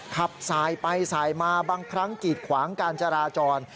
ขับสายไปสายมาบางครั้งกีดขวางการจราจร